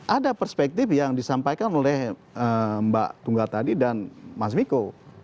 ada perspektif yang disampaikan oleh mbak tunggal tadi dan mas miko